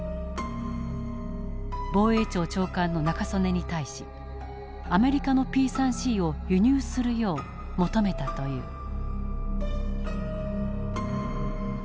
防衛庁長官の中曽根に対しアメリカのＰ３Ｃを輸入するよう求めたという。